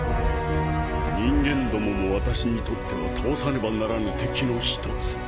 人間どもも私にとっては倒さねばならぬ敵の１つ。